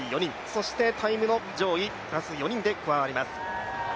そしてタイムの上位プラス４人で加わります。